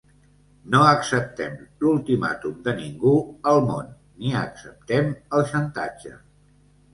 No acceptem l’ultimàtum de ningú al món, ni acceptem el xantatge.